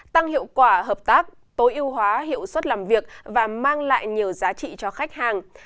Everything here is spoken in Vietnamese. tăng hiệu quả hợp tác tối ưu hóa hiệu suất làm việc và mang lại nhiều giá trị cho khách hàng